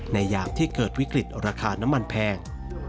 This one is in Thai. อย่างที่เกิดวิกฤตราคาน้ำมันแพง